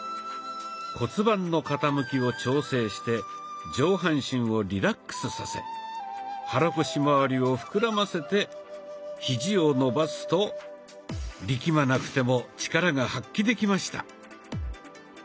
骨盤の傾きを調整して上半身をリラックスさせ肚腰まわりを膨らませてヒジを伸ばすと力まなくても力が発揮できました。